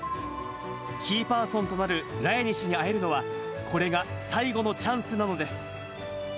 キーパーソンとなるラヤニ氏に会えるのは、これが最後のチャンスなのです。